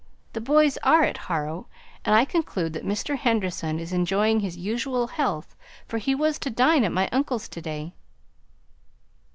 The boys are at Harrow, and I conclude that Mr. Henderson is enjoying his usual health, for he was to dine at my uncle's to day."